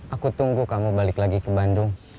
aku tunggu kamu balik lagi ke bandung